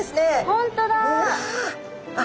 本当だ！